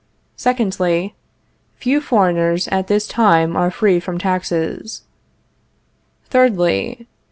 Secondly. Few foreigners at this time are free from taxes. Thirdly.